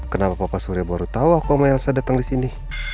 kenapa papa surya baru tau aku sama elsa datang disini